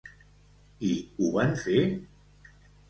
I ho van fer?